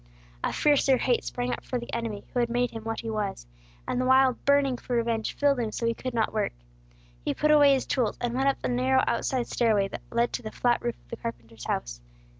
A fiercer hate sprang up for the enemy who had made him what he was; and the wild burning for revenge filled him so he could not work. He put away his tools, and went up the narrow outside stairway that led to the flat roof of the carpenter's house.